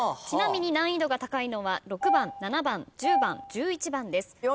ちなみに難易度が高いのは６番７番１０番１１番です。